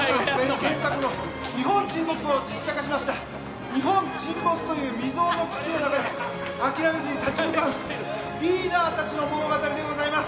原作の「日本沈没」を実写化しました、「日本沈没」という未曾有の危機の中で諦めずに立ち向かうリーダーたちの物語でございます。